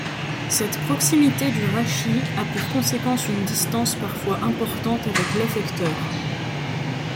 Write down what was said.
Cette proximité du rachis a pour conséquence une distance parfois importante avec l'effecteur.